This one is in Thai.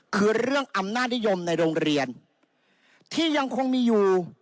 คือเรื่องอำนาจนิยมในโรงเรียนที่ยังคงมีอยู่